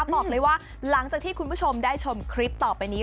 บอกเลยว่าหลังจากที่คุณผู้ชมได้ชมคลิปต่อไปนี้